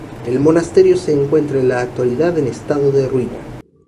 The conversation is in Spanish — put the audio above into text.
El monasterio se encuentra en la actualidad en estado de ruina.